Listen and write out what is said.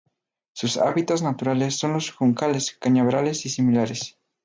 Sus hábitats naturales son los juncales, cañaverales y similares.